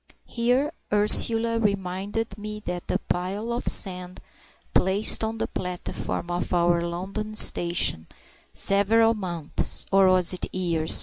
Here Ursula reminded me that the pile of sand placed on the platform of our London station several months (or was it years?)